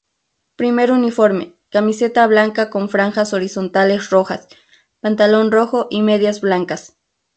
Primer uniforme: Camiseta blanca con franjas horizontales rojas, pantalón rojo y medias blancas.